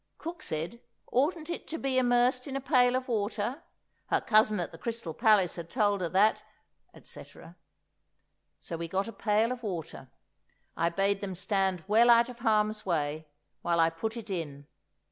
Cook said: Oughtn't it to be immersed in a pail of water? Her cousin at the Crystal Palace had told her that——, etc. So we got a pail of water; I bade them stand well out of harm's way, while I put it in.